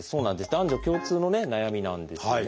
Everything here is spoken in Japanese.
男女共通の悩みなんですね。